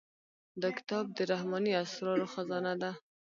دا کتاب د رحماني اسرارو خزانه ده.